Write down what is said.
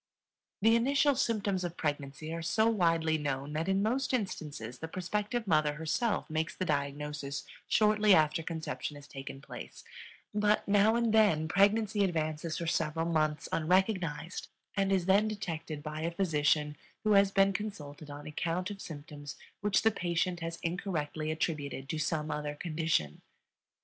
The initial symptoms of pregnancy are so widely known that in most instances the prospective mother herself makes the diagnosis shortly after conception has taken place; but now and then pregnancy advances for several months unrecognized and is then detected by a physician who has been consulted on account of symptoms which the patient has incorrectly attributed to some other condition.